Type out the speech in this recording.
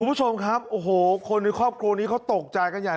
คุณผู้ชมครับโอ้โหคนในครอบครัวนี้เขาตกใจกันใหญ่